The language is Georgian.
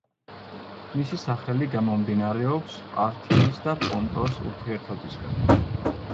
მისი სახელი გამომდინარეობს პართიის და პონტოს ურთიერთობისგან.